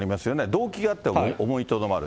動機があっても思いとどまる。